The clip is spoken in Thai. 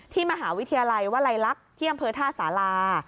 มหาวิทยาลัยวลัยลักษณ์ที่อำเภอท่าสารา